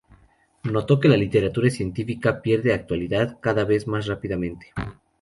Notó que la literatura científica pierde actualidad cada vez más rápidamente.